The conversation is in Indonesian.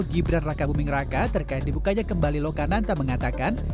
gibran raka buming raka terkait dibukanya kembali lokananta mengatakan